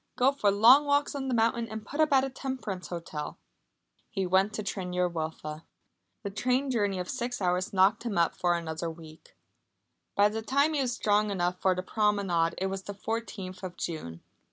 Go for long walks on the mountains, and put up at a temperance hotel." He went to Tryn yr Wylfa. The train journey of six hours knocked him up for another week. By the time he was strong enough for the promenade it was the fourteenth of June.